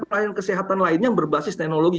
pelayanan kesehatan lainnya yang berbasis teknologi